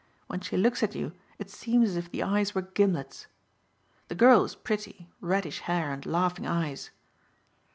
When she looks at you it seems as if the eyes were gimlets. The girl is pretty, reddish hair and laughing eyes."